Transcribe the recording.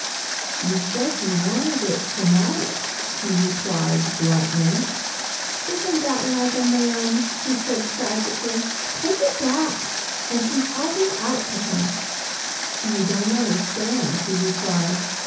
"You said you wanted it to night," he replied bluntly. "Isn't that like a man," she said tragically. "Take it back," and she held it out to him. "You don't understand," he replied.